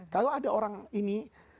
kalau ada orang ini